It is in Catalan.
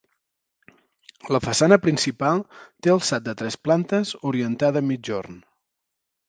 La façana principal té alçat de tres plantes, orientada a migjorn.